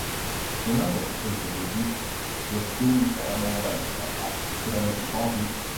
In other institutions, the schools are more like academic departments